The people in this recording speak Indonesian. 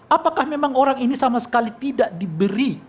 apakah memang orang ini sama sekali tidak diberi